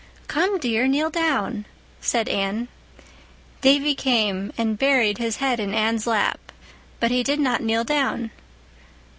"Come, dear, kneel down," said Anne. Davy came and buried his head in Anne's lap, but he did not kneel down.